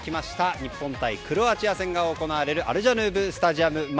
日本対クロアチア戦が行われるアルジャヌーブ・スタジアム前。